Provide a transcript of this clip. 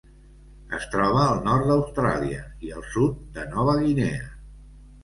Es troba al nord d'Austràlia i al sud de Nova Guinea.